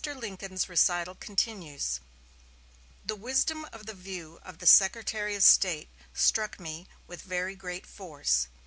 Lincoln's recital continues: "The wisdom of the view of the Secretary of State struck me with very great force.